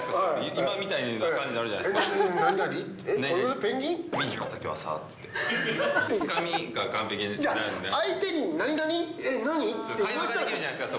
今みたいな感じになるじゃないですか。